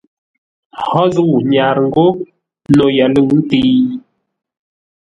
Hó zə̂u nyarə́ ńgó no yəlʉ̂ŋ təi?